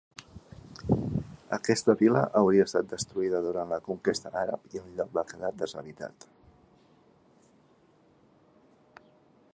Aquesta vila hauria estat destruïda durant la conquesta àrab i el lloc va quedar deshabitat.